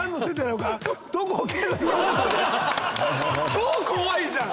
超怖いじゃん！